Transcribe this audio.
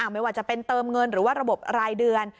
ไม่ว่าจะเป็นเติมเงินหรือว่าระบบรายเดือน